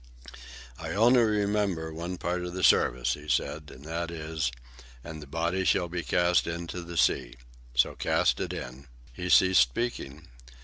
"I only remember one part of the service," he said, "and that is, 'And the body shall be cast into the sea.' So cast it in." He ceased speaking.